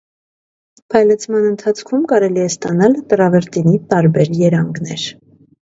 Փայլեցման ընթացքում կարելի է ստանալ տրավերտինի տարբեր երանգներ։